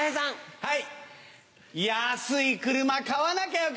はい。